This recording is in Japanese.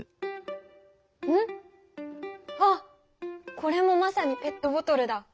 これもまさにペットボトルだ！